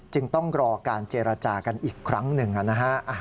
ต้องรอการเจรจากันอีกครั้งหนึ่งนะฮะ